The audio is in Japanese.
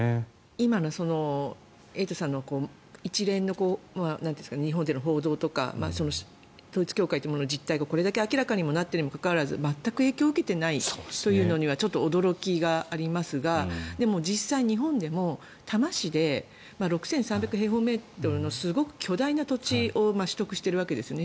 今のエイトさんの一連の日本での報道とか統一教会というものの実態がこれだけ明らかになっているのにもかかわらず全く影響を受けていないというのは驚きがありますがでも実際日本でも、多摩市で６３００平方メートルのすごく巨大な土地を取得しているわけですね。